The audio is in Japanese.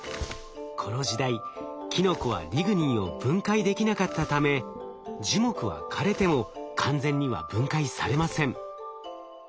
この時代キノコはリグニンを分解できなかったため樹木は枯れても完全には分解されません。